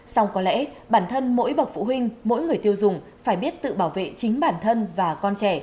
xong có lẽ bản thân mỗi bậc phụ huynh mỗi người tiêu dùng phải biết tự bảo vệ chính bản thân và con trẻ